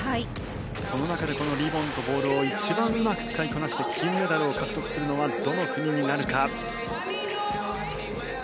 その中で、このリボンとボールを一番うまく使いこなして金メダルを獲得するのはどの国になるか。